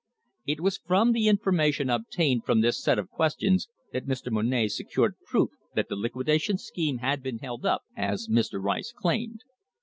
It was from the information obtained from this set of questions that Mr. Monnett secured proof that the liquidation scheme had been held up, as Mr. Rice claimed.